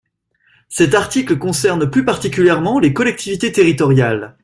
Cet article concerne plus particulièrement les collectivités territoriales.